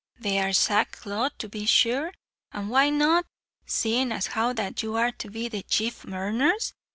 They are sackcloth, to be sure, and why not seeing as how that you are to be the chief murners?